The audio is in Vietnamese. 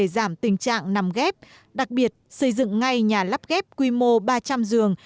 giảm tình trạng nằm ghép đặc biệt xây dựng ngay nhà lắp ghép quy mô ba trăm linh giường